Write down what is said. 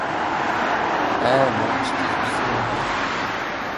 Ай мөн ч завхарсан юм болж байна даа.